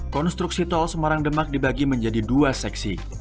konstruksi tol semarang demak dibagi menjadi dua seksi